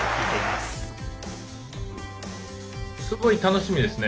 すごい楽しみですね。